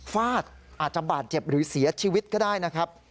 ฟาดอาจจะบาดเจ็บหรือเสียชีวิตก็ได้นะครับ